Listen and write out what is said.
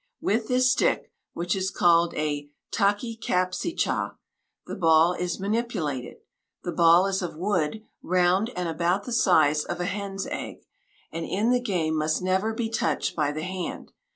With this stick, which is called a "Ta ki cap si cha," the ball is manipulated. The ball is of wood, round, and about the size of a hen's egg, and in the game must never be touched by the hand.